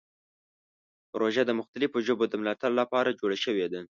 پروژه د مختلفو ژبو د ملاتړ لپاره جوړه شوې ده.